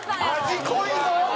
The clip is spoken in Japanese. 味濃いぞ！